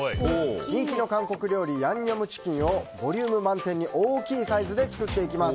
人気の韓国料理ヤンニョムチキンをボリューム満点に大きいサイズで作っていきます。